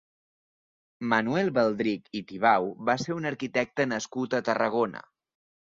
Manuel Baldrich i Tibau va ser un arquitecte nascut a Tarragona.